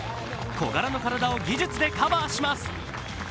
小柄な体を技術でカバーします。